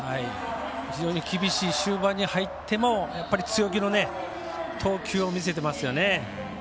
非常に厳しい終盤に入っても強気の投球を見せていますよね。